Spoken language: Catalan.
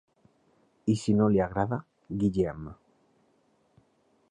I si no li agrada, Guillem.